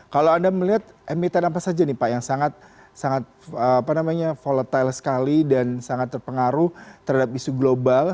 kalau anda melihat emiten apa saja nih pak yang sangat volatile sekali dan sangat terpengaruh terhadap isu global